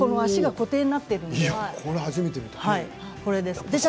これは初めて見た。